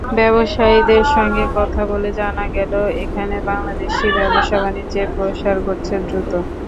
ব্যবসায়ীদের সঙ্গে কথা বলে জানা গেল, এখানে বাংলাদেশি ব্যবসা-বাণিজ্যের প্রসার ঘটছে দ্রুত।